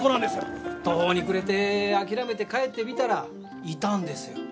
途方に暮れて諦めて帰ってみたらいたんですよ